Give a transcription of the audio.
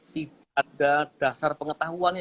tidak ada dasar pengetahuannya